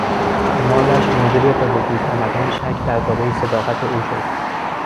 اعمالش موجب به وجود آمدن شک دربارهی صداقت او شد.